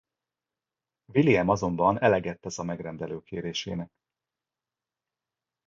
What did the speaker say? William azonban eleget tesz a megrendelő kérésének.